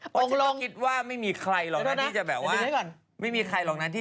โปรดติดตามตอนต่อไป